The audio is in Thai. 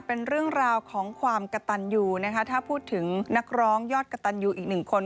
เป็นเรื่องราวของความกระตันยูนะคะถ้าพูดถึงนักร้องยอดกระตันยูอีกหนึ่งคน